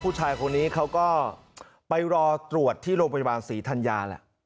ผู้ชายคนนี้เขาก็ไปรอตรวจที่โรงพยาบาลศรีธัญญาแหละ